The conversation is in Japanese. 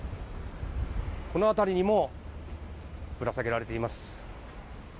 この辺りにもぶら下げられています。